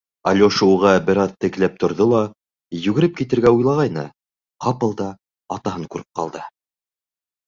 Алёша уға бер аҙ текләп торҙо ла, йүгереп китергә уйлағайны, ҡапылда атаһын күреп ҡалды.